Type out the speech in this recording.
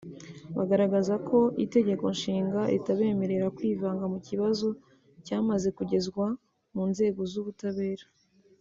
bagaragaza ko Itegeko Nshinga ritabemerera kwivanga mu kibazo cyamaze kugezwa mu nzego z’ubutabera